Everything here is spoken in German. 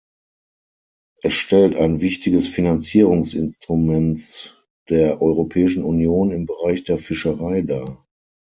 Es stellt ein wichtiges Finanzierungsinstruments der Europäischen Union im Bereich der Fischerei dar.